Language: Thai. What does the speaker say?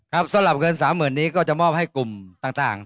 ครับสำหรับเงินสามหมื่นนี้ก็จะมอบให้กลุ่มต่าง